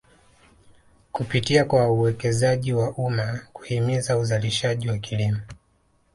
Kupitia kwa uwekezaji wa umma kuhimiza uzalishaji wa kilimo